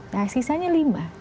nah sisanya lima